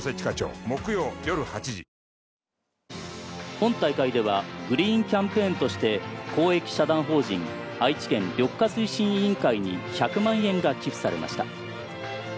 本大会では「グリーンキャンペーン」として公益社団法人「愛知県緑化推進委員会」に１００万円が寄附されました。